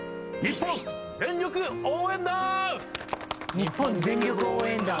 「日本全力応援団」